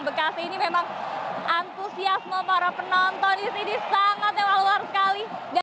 bekasi ini memang antusiasme para penonton di sini sangat memang luar sekali dan